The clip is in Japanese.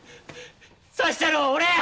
刺したのは俺や！